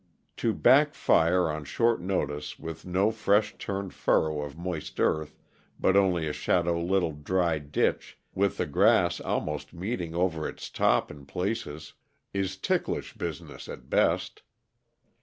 To back fire on short notice, with no fresh turned furrow of moist earth, but only a shallow little dry ditch with the grass almost meeting over its top in places, is ticklish business at best.